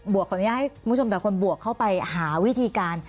วกขออนุญาตให้คุณผู้ชมแต่ละคนบวกเข้าไปหาวิธีการ